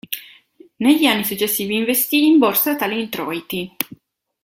Negli anni successivi investì in borsa tali introiti.